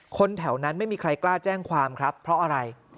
คนแถวนั้นไม่มีใครกล้าแจ้งความครับเพราะอะไร